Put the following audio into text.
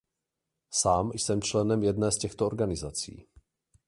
Sám jsem členem jedné z těchto organizací.